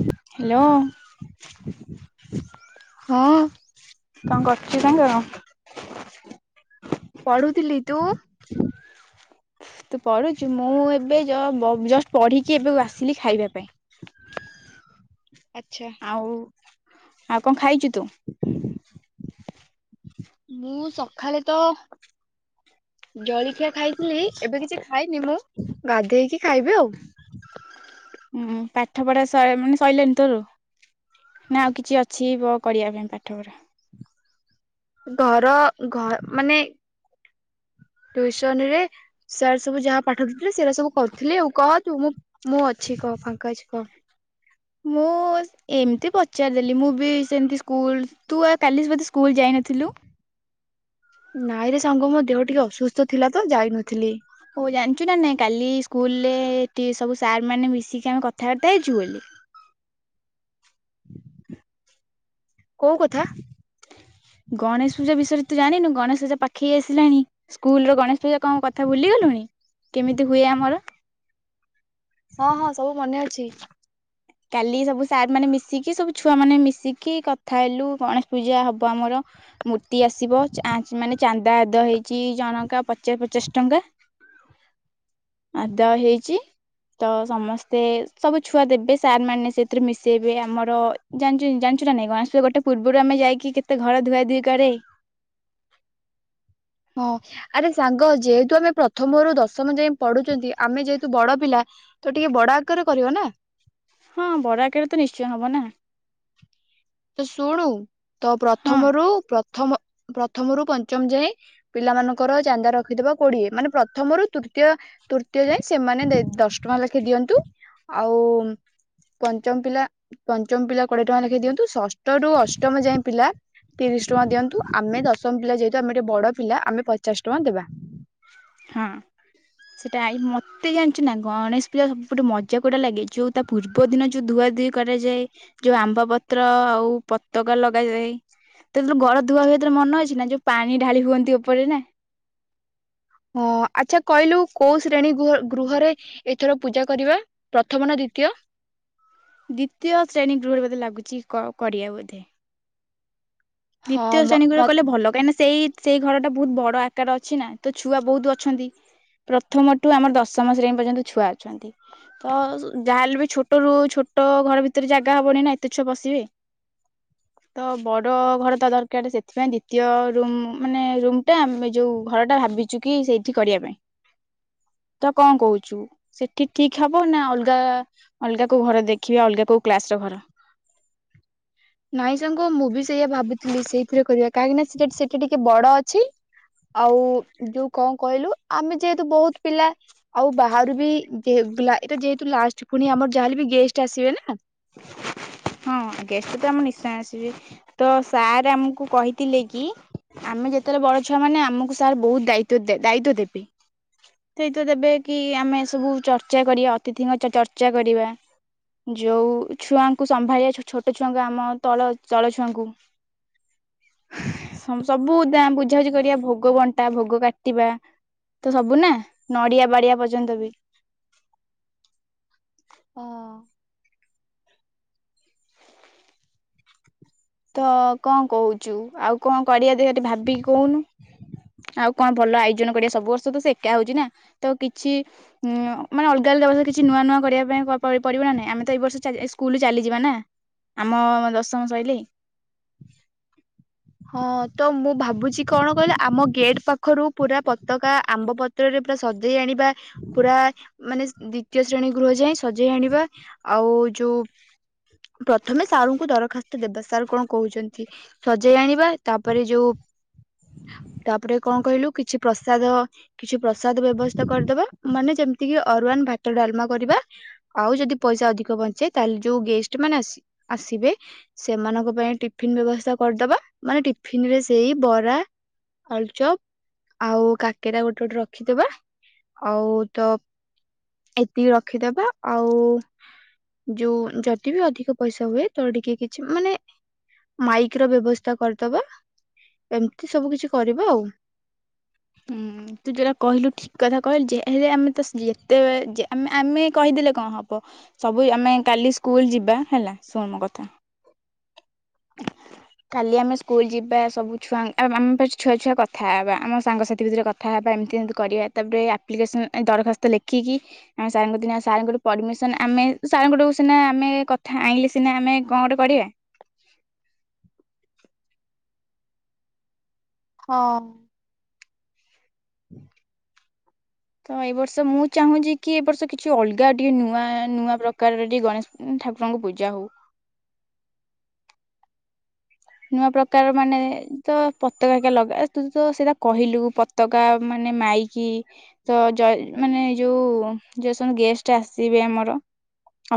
[inaudible] Hello ହଁ କଣ କର ଶରଙ୍କର ପଢୁଥିଲି ତୁ ତୁ ପଢୁଚୁ ମୁଁ ଏବେ ଯ ପଢିକି ଏବେ ଆସିଲି ଖାଇବା ପାଇଁ ସେ ଆଛା ଆଉ ଆଉ କଣ ଖାଇଛୁ ତୁ ମୁଁ ସ ଖାଲି ତ ଜଳଖିଆ ଖାଇଥିଲି। ଏବେ କିଛି ଖାଇନି ମୁଁ ଗାଧେଇକି ଖାଇବି ଆଉ ହୁଁ ପାଠ ପଢା ମାନେ ସରିଲଣିି ତୋର ନା ଆଉ କିଛି ଅଛି ପ କରିବା ପାଇଁ ପାଠ ପଢା ଘର ଘ ମାନେ ଟ୍ୟୁସନ ରେ ସାର୍ ସବୁ ଯାହା ପାଠଉଥିଲେ ସେଟା ସବୁ କରିଥିଲି କହ ତୁ ମୁଁ ମୁଁ ଅଛି କହ ପଙ୍କଜ କହ ମୁଁ ଏମିତି ପଚାରିଦେଲି ମୁଁ ବି ସେମିତି ସ୍କୁଲ ତୁ ଆଉ କାଲି ବୋଧେ ସ୍କୁଲ ଯାଇନଥିଲୁ। ନାଇଁରେ ସାଙ୍ଗ ମୋ ଦେହ ଟିକେ ଅସୁସ୍ଥ ଥିଲା ତ ଯାଇନଥିଲି। ହଉ ଜାଣିଛୁ ନା ନାଇଁ କାଲି ସ୍କୁଲରେ ସବୁ ସାର୍ ମାନେ ମିଶିକି ଆମେ କଥାବାର୍ତ୍ତା ହେଇଛୁ ବୋଲି। [unintelligible] କୋଉ କଥା। ଗଣେଶ ପୂଜା ବିଷୟରେ ତ ଜାଣିନୁ ଗଣେଶ ପୂଜା ପାଖେଇ ଆସିଲାଣି ସ୍କୁଲ ର ଗଣେଶ ପୂଜା କଣ କଥା ଭୁଲିଗଲୁଣି କେମିତି ହୁଏ ଆମର। ହଁ ହଁ ସବୁ ମନେ ଅଛି। କାଲି ସବୁ ସାର୍ ମାନେ ମିଶିକି ସବୁ ଛୁଆ ମାନେ ମିଶିକି କଥା ହେଲୁ ଗଣେଶ ପୂଜା ହବ ଆମର ମୂର୍ତ୍ତି ଆସିବ ମାନେ ଚାନ୍ଦା ଆଦ ହେଇଛିି ଜଣକା ପଚାଶ ପଚାଶ ଟଙ୍କା। ଆଦ ହେଇଛି। ତ ସମସ୍ତେ ସବୁ ଛୁଆ ଦେବେ। ସାର୍ ମାନେ ସେଥିରୁ ମିଶେଇବେ ଆମର ଜାଣିୁ ଜାଣିଛୁ ନା ନାଇଁ କଣ ଆସ ଗୋଟେ ପୂର୍ବରୁ ଆମେ ଯାଇକି କେତେ ଘର ଧୁଆ ଧୁଇ କରେ। ହଁ ଆରେ ସାଙ୍ଗ ଯେହେତୁ ଆମେ ପ୍ରଥମରୁ ଦଶମ ଯାଇଏ ପଢୁଛନ୍ତି ଆମେ ଯେହେତୁ ବଡ ପିଲା ତ ଟିକେ ବଡ ଆଗରେ କରିବ ନା। ହଁ ବରା ଆକାରରେ ତ ନିଶ୍ଚୟ ହବ ନା। ତ ଶୁଣୁ ତ ହଁ ପ୍ରଥମରୁ ପ୍ର ପ୍ରଥମ ପ୍ରଥମରୁ ପଞ୍ଚମ ଯାଏଁ ପିଲାମାନଙ୍କର ଚାନ୍ଦା ରଖିଦବା କୋଡିଏ ମାନେ ପ୍ରଥମରୁ ତୃତୀୟ। ତୃତୀୟ ଯାଏ ସେମାନେ ଦଶ ଟଙ୍କା ଲେଖି ଦିଅନ୍ତୁ ଆଉ ପଞ୍ଚମ ପିଲା ପଞ୍ଚମ ପିଲା କୋଡିଏ ଟଙ୍କା ଲେଖେ ଦିଅନ୍ତୁ। ସଷ୍ଟ ରୁ ଅଷ୍ଟମ ଯାଏଁ ପିଲା ତିରିଶ ଟଙ୍କା ଦିଅନ୍ତୁ। ଆମେ ଦଶମ ପିଲା ଯେ ଆମେ ଗଟେ ବଡ ପିଲା ଆମେ ପଚାଶ ଟଙ୍କା ଦେବା। ହଁ ସେଟା ମତେ ଜାଣିଛୁ ନା ଗଣେଶ ପୂଜା ସବୁପଟୁ ମଜା କୋଉଟା ଲାଗିଛି ଯଉ ତା ପୂର୍ବ ଦିନ ଯୋଉ ଧୁଆ ଧୁଇ କରାଯାଏ ।ଯୋଉ ଆମ୍ବ ପତ୍ର ଆଉ ପତକା ଲଗାଯାଏ ତତେବେଳେ ଘର ଧୁଆ ହୁଏ ତୋର ମନେ ଅଛି ନା ଯୋଉ ପାଣି ଢାଳି ହୁଅନ୍ତି ଉପରେ ନା। ହଁ ଆଚ୍ଛା କହିଲୁ କୋଉ ଶ୍ରେଣୀ ଗୃହରେ ଏଥର ପୂଜା କରିବା ପ୍ରଥମ ନା ଦ୍ଵିତୀୟ? ଦ୍ଵିତୀୟ ଶ୍ରେଣୀ ଗୃହରେ ବୋଧେ ଲାଗୁଛି କରିଆ ବୋଧେ। ହଁ ଦ୍ୱିତୀୟ ଶ୍ରେଣୀ ମତେ କୁରେ କଲେ ଭଲ କାଁକି ସେଇ ସେଇ ଘରଟା। ବହୁତ ବଡ ଆକାର ଅଛି ନା ତ ଛୁଆ ବହୁତ ଅଛନ୍ତି। ପ୍ରଥମଠୁ ଆମର ଦଶମ ଶ୍ରେଣୀ ପର୍ଯ୍ୟନ୍ତ ଛୁଆ ଅଛନ୍ତି। ତ ଯାହାହେଲେ ବି ଛୋଟରୁୁ ଛୋଟ ଘର ଭିତରେ ଜାଗା ହବନି ନା ଏତେ ଛୁଆ ପଶିବେ। ତ ବଡ। ଘର ତ ଦରକାର ସେଥିପାଇଁ ଦ୍ଵିତୀୟ ରୁମ ମାନେ ରୁମ ଟା ଆମେ ଯୋଉ ଘର ଟା ଭାବିଛୁ କି ସେଇଠି କରିବା ପାଇଁ ।ତ କଣ କହୁଛୁ? ସେଠି ଠିକ ହବ ନା ଅଲଗା ଅଲଗା କୋଉ ଘର ଦେଖିବା ଅଲଗା କୋଉ କ୍ଲାସ ର ଘର ନାଇଁ ସାଙ୍ଗ ମୁଁ ବି ସେଇଆ ଭାବି ଥିଲି ସେଇଥିରେ କରିବା। କାହିଁକି ନା ସେ ସେଇଟା ଟିକେ ବଡ ଅଛି ଆଉ ଯୋଉ କଣ କହିଲୁ ଆମେ ଯେହେତୁ ବହୁତ ପିଲା ଆଉ ବାହାରୁ ବି ଯେହେତୁ ଲାଷ୍ଟ ପୁଣି ଆମର ଯାହାଲେ ଗେଷ୍ଟ ଆସିବେ ନା। ହଁ ଗେଷ୍ଟ ତ ଆମ ନିଶ୍ଚୟ ଆସିବେ। ତ ସାର୍ ଆମକୁ କହିଥିଲେ କି ଆମେ ଯେତେବେଳେ ବଡ ଛୁଆ ମାନେ ଆମକୁ ସାର୍ ବହୁତ ଦାୟ ଦାୟିତ୍ଵଦେବେ ଦାୟିତ୍ଵ ଦେବେ କି ଆମେ ସବୁ ଚର୍ଚ୍ଚା କରିବା ଅତିଥିଙ୍କ ଚର୍ଚା କରିବା ଯୋଉ ଛୁଆଙ୍କୁ ସମ୍ଭାଳିବା ଛୋଟ ଛୁଆଙ୍କୁ ଆମ ତଳ ତଳ ଛୁଆଙ୍କୁ ସବୁ ବୁଝାବୁଝି କରିବା ଭୋଗ ବଣ୍ଟା ଭୋଗ କାଟିବା ତ ସବୁ ନା ନଡିଆ ବାଡିଆ ପର୍ଯ୍ୟନ୍ତ ବି ହଁ। ତ କଣ କହୁଛୁ ଆଉ କଣ କରିବା ଦେହଠ ଭାବିକି କହୁନୁ ଆଉ କଣ ଭଲ ଆୟୋଜନ କରିବା। ସବୁ ବର୍ଷ ତ ସେ ଏକା ହଉଛି ନା। ତ କିଛି ଉଁ ମାନେ ଅଲଗା ଅଲଗାଷ କିଛି ନୂଆ ନୂଆ କରିବା ପାଇଁ ପଡିବ ନା ନାଇଁ। ଆମେ ତ ଏଇ ବର୍ଷ ସ୍କୁଲ ଚାଲିଯିବା ନା ଆମ ଦଶମ ସାଇଲେ। ହଁ ତ ମୁଁ ଭାବୁଛି କଣ କହିଲ ଆମ ଗେଟ ପାଖରୁ ପୁରା ପତାକା ଆମ୍ବ ପତ୍ରରେ ପୁରା ସଜେଇ ଆଣ ବା ପୁରା ମାନେ ଦ୍ଵିତୀୟ ଶ୍ରେଣୀ ଗୃହ ଯାଇଏ ସଜେଇ ଆଣିବା ଆଉ ଯୋଉ ପ୍ରଥମେ ସାରର୍ଙ୍କୁ ଦରଖାସ୍ତ ଦେବା ସାର୍ କଣ କହୁଛନ୍ତି? ସଜ ଯେ ଆଣିବା ତାପରେ ଯୋଉ ତାପରେ କଣ କହିଲୁ କିଛି। ପ୍ରସାଦ କିଛି ପ୍ରସାଦ ବ୍ୟବସ୍ଥା କରିଦବା। ମାନେ ଯେମିତି କିି ଅରୁୱନ୍ ଭାତ ଡାଲମା କରିବା ଆଉ ଯଦି ପଇସା ଅଧିକ ବଞ୍ଚେ ତାହେଲେ ଯୋଉ ଗେଷ୍ଟ ମାନେ ଆସିବେ ସେମାନଙ୍କ ପାଇଁ ଟିଫିନ୍ ବ୍ୟବସ୍ଥା କରିଦବା ।ମାନେ ଟିଫିନ ରେ ସେଇ ବରା, ଆଳୁଚପ ଆଉ କାକେରା ଗୋଟେ ଗୋଟେ ରଖିଦବାଆଉ ତ ଏତିକି ରଖିଦବା ।ଆଉ ଯୋଉ ଯଦି ବି ଅଧିକ ପଇସା ହୁଏ ତ ଟିକେ କିଛି ମାନେ ମାଇକ୍ ର ବ୍ୟବସ୍ଥା କରିଦବା ଏମିତି ସବୁ କିଛି କରିବା ଆଉ। ହୁଁ ତୁ ଯୋଉଟା କହିଲୁ ଠିକ କଥା କହିଲୁ ଯେଲେ ଆମେ ଯେତେ ଆମେ କହିଦେଲେ କଣ ହବ ସବୁ ଆମେ କାଲି ସ୍କୁଲ ଯିବା ହେଲା ଶୁଣ ମୋ କଥା କାଲି ଆମେ ସ୍କୁଲ ଯିବା ସବୁଛୁଆ ଆମ ପା ଛୁଆ ଛୁଆ କଥା ହେବା ଆମ ସାଙ୍ଗସଥି ଭିତରେ କଥା ହେବା ଏମିତି କରିବା ତାପରେ ଆପ୍ଲିକସ ଦରଖାସ୍ତ ଲେଖିକି ଆମ ସଙ୍କ ଦ ସଙ୍କୁ ପରମିସନ ଆମେ ସାର୍ଙ୍କଠୁ ସିନା ଆମେକଥା ଆଣିଲ ସିନା ଆମେ କଣ ଗଟେ କରିବା। ହଁ। ତ ଏ ବର୍ଷ ମୁଁ ଚାହୁଁଛି କି ଏ ବର୍ଷ କିଛି ଅଲଗା ଟିକେ ନୂଆ ନୂଆ ପ୍ରକାର ଟ ଗଣେଶ ଠାକୁରଙ୍କୁ ପୂଜା ହଉ। ନୂଆ ପ୍ରକାର ମାନେ ତ ପତକା ଲଗା ତ ସେଇଟା କହିଲୁ ପତାକା ମାନେ ମାଇକି ତ ମାନେ ଯୋଉ ଯଉମାନେ ଗେଷ୍ଟ ଆସିବେ ଆମର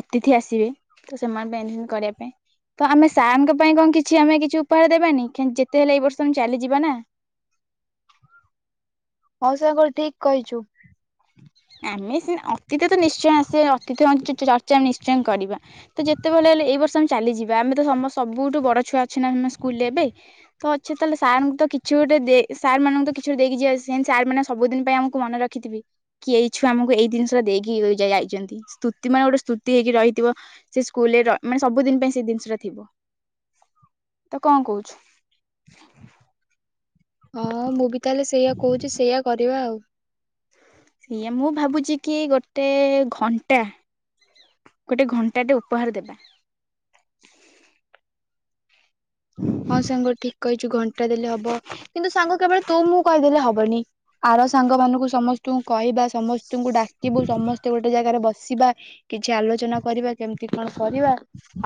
ଅତିଥି ଆସିବେ ତ ସେମାନେ ପନ୍ନ୍ କରିବା ପାଇଁ ତ ଆମେ ସାର୍ଙ୍କ ପାଇଁ କଣ କିଛି କିଛି ଆମେ କିଛି ଉପହାର ଦେବାନି ଯେତେ ହେଲେ ଏଇ ବର୍ଷ ଆମେ ଚାଲିଯିବା ନା। ହଉ ସାଙ୍ଗର ଠିକ କହିଛୁ। ଆମେ ଅତୀତ ତ ନିଶ୍ଚୟ ଆସେ କି ଚଚ୍ଚା ମିଶ କରିବା ତ ଯେତେ ଭଲ ହେଲେ ଏଇ ବର୍ଷ ଆମେ ଚାଲିଯିବା ଆମେ ତ ସମ ସବୁଠୁ ବଡ ଛୁଆ ଅଛେ ନା ଆମେ ସ୍କୁଲରେ ଏବେ ତ ଅଛେ ତାହେଲେ ସାର୍ ଙ୍କୁ ତ କିଛି ଗୋଟେ ସାର୍ ମାନଙ୍କୁ ତ କିଛି ଗୋଟେ ଦେଇକି ଯିବା ସେ ସାର୍ ମାନେ ସବୁିନ ପାଇଁ ଆମକୁ ମନେ ରଖିଥିବେ। କି ଏଇ ଛୁଆ ଆମକୁ ଏଇ ଜିନିଷଟା ଦେଇକି ଯାଇଛନ୍ତି ସ୍ତୁତି ମାନେ ଗୋଟେ ସ୍ତୁତି ହେଇକି ରହିଥିବ ସେ ସ୍କୁଲରେ ମାନେ ସବୁଦିନ ପାଇଁ ସେଇ ଜିନିଷଟା ଥିବ ତ କଣ କହୁଛୁ? ହଁ ମୁଁ ବି ତାହେଲେ ସେଇଆ କହୁଛି ସେଇଆ କରିବା ଆଉ। ସେଇଏା ମୁଁ ଭାବୁଛି କି ଗୋଟେ ଘଣ୍ଟା ଗୋଟେ ଘଣ୍ଟା ଟେ ଉପହାର ଦେବା ହଁ ସାଙ୍ଗ ଠିକ କହିଛୁ ଘଣ୍ଟା ଦେଲେ ହବ କିନ୍ତୁ ସାଙ୍ଗ କେବଳ ତୁ ମୁଁ କହିଦେଲେ ହବନି ଆର ସାଙ୍ଗ ମାନଙ୍କୁ ସମସ୍ତଙ୍କୁ କହିବା ସମସ୍ତଙ୍କୁ ଙ୍କୁ ଡାକିବୁ ସମସ୍ତେ ଗୋଟେ ଜାଗାରେ ବସ ସିବା କିଛି ଆଲୋଚନା କରିବା କେମିତି କଣ କରିବା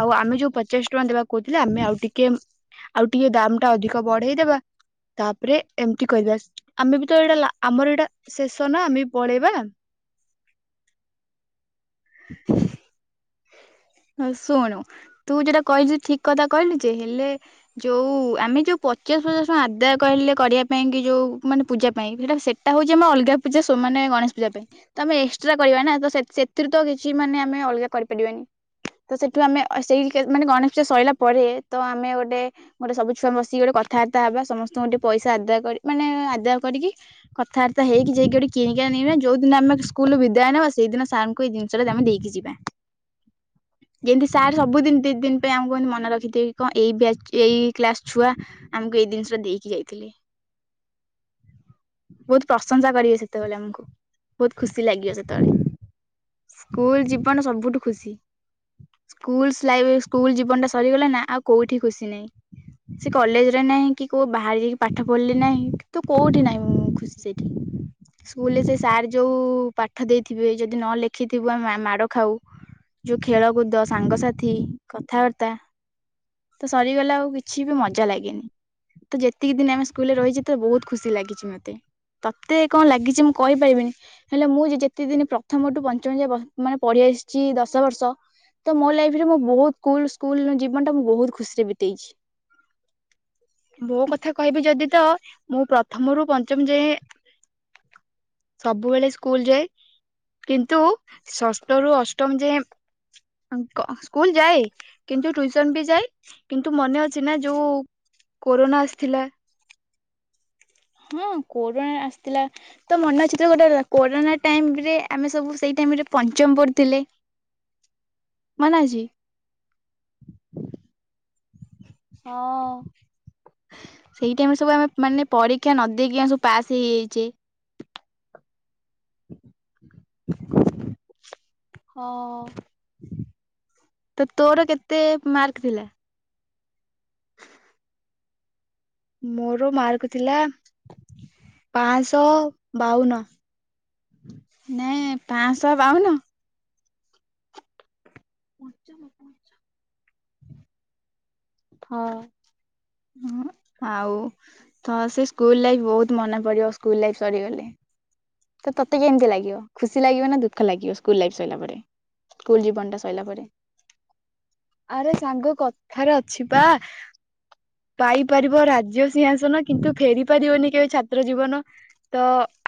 ଆଉ ଆମେ ଯୋଉ ପଚାଶ ଟଙ୍କା ଦେବାକୁ କହୁଥିଲେ ଆମେ ଆଉ ଟିକେ ଆଉ ଟିକେ ଦାମ ଟା ଅଧିକ ବଢେଇଦବା ତାପରେ ଏମତି କରିବା ଆମେ ବି ତ ଏଇଟା ଆମର ଏଇଟା ଶେଷ ନା ଆମେ ପଳେଇବା ହ ଶୁଣୁ ତୁ ଯେଟା କହିଲୁ ଠିକ କଥା କହିଲୁ ଯେ ହେଲେ ଯୋଉ ଆମେ ଯୋଉ ପଚାଶ ପଚାଶ ଟଙ୍କା ଆଦାୟ କହିଲେ କରିବା ପାଇଁ କି ଯୋଉ ମାନେ ପୂଜା ପାଇଁ ସେଟା ସେଟା ହଉଛି ଆମେ ଅଲଗା ପୂଜା ମାନେ ଗଣେଶ ପୂଜା ପାଇଁ ତ ଆମେ ଏକ୍ସଟ୍ରା କରିବା ନା ତ ସେଥିରୁ ତ କି କିଛି ମାନେ ଆମେ ଅଲଗା କରିପାରିବାନି ତ ସେଠୁ ଆମେ ସେଇ ମାନେ ଗଣେଶ ପୂଜା ସରିଲା ପରେ ତ ଆମେ ଗୋଟେ ଗୋଟେ ସବୁ ଛୁଆ ବସିକି ଗୋଟେ କଥାବାର୍ତ୍ତା ହେବା ସମସ୍ତଙ୍କୁ ଗୋେ ପଇସା ଆଦାୟ କରି ମାନେ ଆଦାୟ କରିକି କଥାବାର୍ତା ହେଇକି ଯାଇକି ଗୋଟେ କିଣିକି ଆ ଯୋଉ ଦିନ ଆମେ ସ୍କୁଲୁ ବିଦାୟ ନବା ସେଇଦିନ ସାର୍ଙ୍କୁ ଏ ଆମେ ଦେଇକି ଯିବା ଯେମିତି ସାର୍ ସବୁଦିନ ଦି ଦିନ ପାଇଁ ଆମକୁତି ମନେ ରଖିଥିବ କଣ ଏଇ ଏଇ କ୍ଲାସ ଛୁଆ ଆମକୁ ଏଇ ଜିନିଷଟା ଦେଇକି ଯାଇଥିଲେ ବହୁତ ପ୍ରଶଂସା କରିବେ ସେତେବେଳେ ଆମକୁ ବହୁତ ଖୁସି ଲାଗିବ ସେତେବେଳେ ସ୍କୁଲ ଜୀବନ ସବୁଠୁ ଖୁସି ସ୍କୁଲ ସ୍କୁଲ ଜୀବନ ଟା ସରିଗଲା ନା ଆଉ କୋଉଠି ଖୁସି ନାହିଁ। ସେ କଲେଜରେ ନାହିଁ କି ବାହାରେ ଯାଇକି ପାଠ ପଢ଼ିଲି ନାହିଁ କି ତୁ କୋଉଠି ନାହିଁ ମୁଁ ଖୁସି ସେଇଠି ସ୍କୁଲରେ ସେ ସାର୍ ଯୋଉ ପାଠ ଦେଇଥିବେ ଯଦି ନଲେଖ ଦେଖିଥିବୁ ଆମେ ମାଡ ଖାଉ ଯୋଉ ଖେଳକୁଦ ସାଙ୍ଗସାଥି କଥାବାର୍ତ୍ତା ତ ସରିଗଲା ଆଉ କିଛି ବି ମଜା ଲାଗେନି ତ ଯେତିକି ଦିନ ଆମେ ସ୍କୁଲରେ ରହିଛେ ତ ବହୁତ ଖୁସି ଲାଗିଛି ମତେ ତତେ କଣ ଲାଗିଛି ମୁଁ କହିପାରିବିନି ହେଲେ ମୁଁ ଯେ ଯେତିକି ଦିନ ପ୍ରଥମ ମାନେ ପଢି ଆସିଛି ଦଶ ବର୍ଷ ତ ମୋ ଲାଇଫରେ ମୁଁ ବହୁତ କୁଲ ସ୍କୁଲ ଜୀବନ ଟା ମୁଁ ବହୁତ ଖୁସିରେ ବିତେଇଛି ବୋ କଥା କହିବି ଯଦି ତ ମୁଁ ପ୍ରଥମରୁ ପଞ୍ଚମ ଯାଏ ସବୁବେଳେ ସ୍କୁଲ ଯାଏ କିନ୍ତୁ ଷଷ୍ଠରୁୁ ଅଷ୍ଟମ ଯାଏଁ ସ୍କୁଲ ଯାଏ କିନ୍ତୁ ଟ୍ୟୁସନ ବି ଯାଏ କିନ୍ତୁ ମନେ ଅଛି ନା ଯୋଉ କୋନା ଆସିଥିଲା। ହଁ କୋରୋନା ଆସିଥିଲା ତ ମନେ ଅଛି ତ ଗୋଟେ କୋରୋନା ଟାଇମ ରେ ଆମେ ସବୁ ସେଇ ଟାଇମ ରେ ପଞ୍ଚମ ପଢୁଥିଲେ ମନେ ଅଛି। ହଁ। ସେଇ ଟାଇମ ସବୁ ଆମେ ମାନେ ପରୀକ୍ଷା ନ ଦେଇେଇକି ଆ ସବୁ ପାସ୍ ହେଇଯାଇଛେ। [inaudible] ହଁ। ତ ତୋର କେତେ ମାର୍କ ଥିଲା। ମୋର ମାର୍କୁ ଥିଲା। ପାଞ୍ଚ। ତ ବାଉନ ନାଇ ପାଞ୍ଚଶହ ପାଉନ ପହଞ୍ଚାମ ପହଞ୍ଚ ହଁ ହ ଆଉ ତ ସେ ସ୍କୁଲ ଲାଇଫ ବହୁତ ମନ ପଡିବ ସ୍କୁଲ ଲାଇଫ ସରିଗଲେ ତ ତତେ କି ଏମିତି ଲାଗିବ ଖୁସି ଲାଗିବ ନା ଦୁଃଖ ଲାଗିବ ସ୍କୁଲ ଲାଇଫ ସରିଲା ପରେ ସ୍କୁଲ ଜୀବନ ଟା ସରିଲ ପରେ ଆରେ ସାଙ୍ଗ କଥାରେ ଅଛି ବା ପାଇପାରିବ ରାଜ୍ୟ ସିଂହାସନ କିନ୍ତୁ ଫେରି ପାରିବନି କେବେ ଛାତ୍ର ଜୀବନ ତ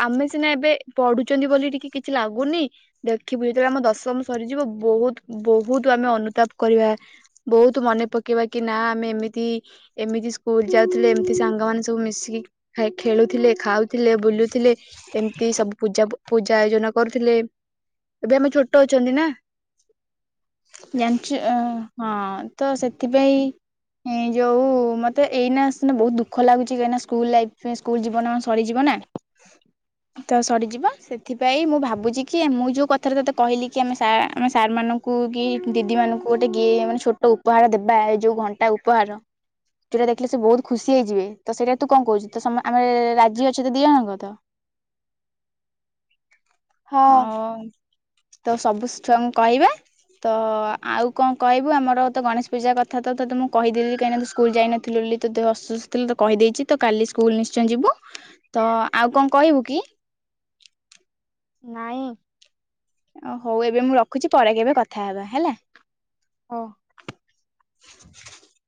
ଆମେ ସିନା ଏବେ ପଢୁଛନ୍ତି ବୋଲି ଟିକେ କିଛି ଲାଗୁନି ଦେଖିବୁ ଯେତେବେଳେ ଆମ ଦଶମ ସରିଯିବ ବହୁତ ବହୁତ ଆମେ ଅନୁତାପ କରିବା ବହୁତ ମନେ ପକେଇବା କି ନା ଆମେ ଏମିତି ଏମିତି ସ୍କୁଲ ଯାଉଥିଲେ ଏମିତି ସାଙ୍ଗମାନୋନ ସବୁ ମିଶିକି ଖେଳୁଥିଲେ ଖାଉଥିଲେ ବୁଲୁଥିଲେ ଏମିତି ସବୁ ପୂଜା ପୂଜା ଆୟୋଜନ କରୁଥିଲେ ଏବେ ଆମେ ଛୋଟ ଅଛନ୍ତି ନା ହଁ ତ ସେଥିପାଇଁ ଏ ଯୋଉ ମତେ ଏଇନା ସନା ବହୁତ ଦୁଃଖ ଲାଗୁଛି କାହିଁକିନା ସ୍କୁଲ ଲାଇଫ ସ୍କୁଲ ଜୀବନ ଆ ସରିଯିବ ନା ତ ସରିଯିବ ସେଥିପାଇଁ ମୁଁ ଭାବୁଛି କି ମୁଁ ଯୋଉ କଥାରେ ତତେ କହିଲି କି ଆ ଆମେ ସାର୍ ମାନଙ୍କୁ କି? ଦିଦି ମାନଙ୍କୁ ଗୋଟେ କିଏ ମାନେ ଛୋଟ ଉପହାର ଦେବା ଏ ଯୋଉ ଘଣ୍ଟା ଉପହାର ଯୋଉଟା ଦେଖିଲେ ସେ ବହୁତ ଖୁସି ହେଇଯିବେ ତ ସେଇଟା ତୁ କଣ କହୁଛୁ ତ ଆମର ରାଜି ଅଛ ତ ଦି ଜଣଙ୍କ ତ ହଁ ହ ତ ସବୁ ଛୁଆଙ୍କୁ କହିବା ତ ଆଉ କଣ କହିବୁ ଆମର ତ ଗଣେଶ ପୂଜା କଥା ତ ତତେ ମୁଁ କହିଦେଲି କାହିଁକି ତ ସ୍କୁଲ ଯାଇନଥିଲୁ ବୋଲି ତତେ ଅସୁସ୍ଥ ଥିଲା ତ କହିଦେଇଛି ତ କାଲି ସ୍କୁଲ ନିଶ୍ଚୟ ଯିବୁ ତ ଆଉ କଣ କହିବୁ କି? ନାହିଁ ଓ ହଉ ଏବେ ମୁଁ ରଖୁଛି ପରେ କେବେ କଥା ହେବା ହେଲା। ଓ [inaudible]